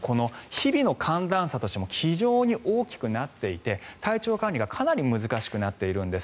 日々の寒暖差としても非常に大きくなっていて体調管理がかなり難しくなっているんです。